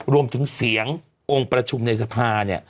รวมถึงเสียงองค์ประชุมในสภา